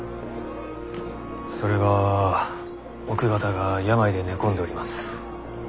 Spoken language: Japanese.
それが奥方が病で寝込んでおります。